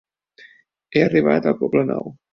He arribat al poble nou.